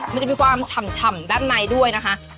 มันจะมีความฉ่ำด้านในด้วยนะคะ